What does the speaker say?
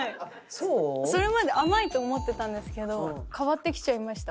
それまで甘いと思ってたんですけど変わってきちゃいました。